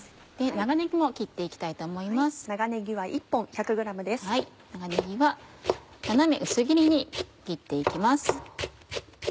長ねぎは斜め薄切りに切って行きます。